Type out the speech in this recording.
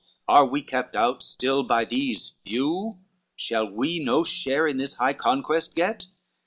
are we kept out still by these few? Shall we no share in this high conquest get?"